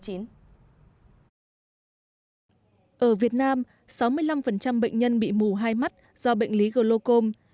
ở việt nam sáu mươi năm bệnh nhân bị mù hai mắt do bệnh lý glocom